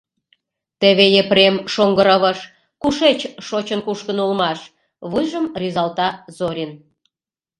— Теве Епрем, шоҥго рывыж, кушеч шочын кушкын улмаш, — вуйжым рӱзалта Зорин.